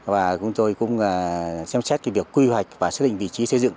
và chúng tôi cũng xem xét cái việc quy hoạch và xác định vị trí xây dựng